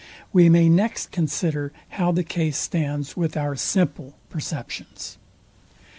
We may next consider how the case stands with our simple, perceptions.